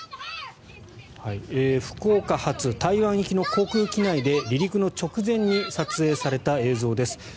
福岡発台湾行きの航空機内で離陸の直前に撮影された映像です。